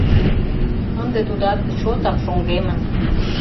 Ынде тудат чотак шоҥгемын.